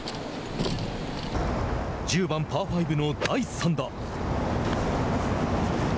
１０番、パー５の第３打。